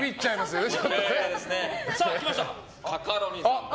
カカロニさん。